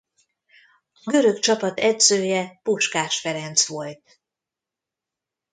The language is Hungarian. A görög csapat edzője Puskás Ferenc volt.